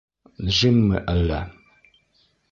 — Джиммы әллә?